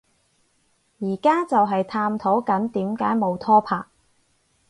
而家就係探討緊點解冇拖拍